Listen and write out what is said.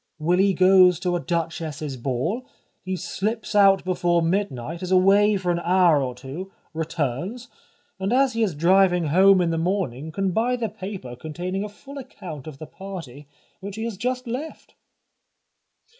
Willy goes to a Duchess's ball, he slips out before midnight, is away for an hour or two, returns, and as he is driving home in the morning, can buy the paper containing a full account of the party which he has just left."